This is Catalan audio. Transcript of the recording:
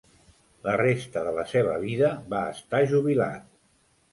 La resta de la seva vida va estar jubilat.